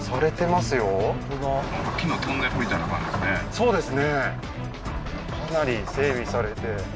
そうですね